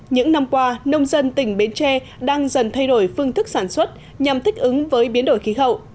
những năm qua nông dân tỉnh bến tre đang dần thay đổi phương thức sản xuất nhằm thích ứng với biến đổi khí hậu